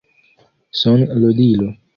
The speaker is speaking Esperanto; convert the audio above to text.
Son-ludilo